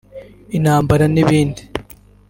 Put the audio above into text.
intambara n’ibindi